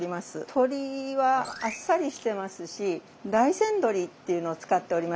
鶏はあっさりしてますし大山どりっていうのを使っておりまして鳥取の。